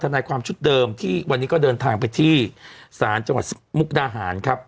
นายความชุดเดิมที่วันนี้ก็เดินทางไปที่ศาลจังหวัดมุกดาหารครับ